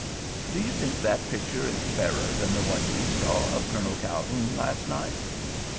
"Do you think that picture is fairer than the one you saw of Colonel Calhoun last night?"